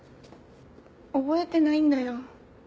覚えてないんだよ。